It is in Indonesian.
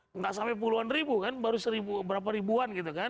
tidak sampai puluhan ribu kan baru berapa ribuan gitu kan